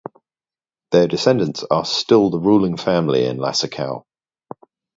Their descendants are still the ruling family in Lasakau.